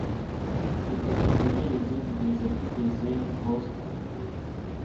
Reka dutegereze kugeza tugeze i Boston